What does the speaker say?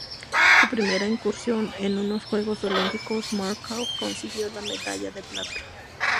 En su primera incursión en unos Juegos Olímpicos Markov consiguió la medalla de plata.